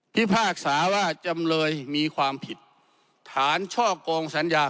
ที่ภาคสาวะจำเลยมีความผิดฐานช่อกงสัญญา